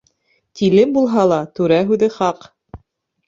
Тиле булһа ла түрә һүҙе хаҡ.